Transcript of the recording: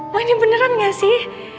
wah ini beneran gak sih